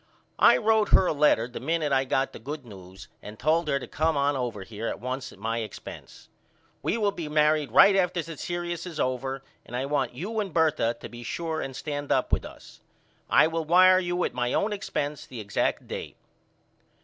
I wrote her a letter the minute I got the good news and told her to come on over here at once at my expence. We will be married right after the serious is over and I want you and Bertha to be sure and stand up with us. I will wire you at my own expence the exact date.